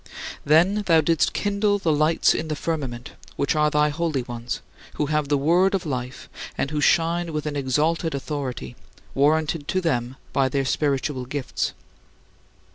Then thou didst kindle the lights in the firmament, which are thy holy ones, who have the Word of Life and who shine with an exalted authority, warranted to them by their spiritual gifts.